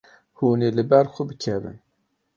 Hûn ê li ber xwe bikevin.